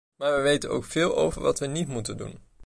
Maar we weten ook veel over wat we niet moeten doen.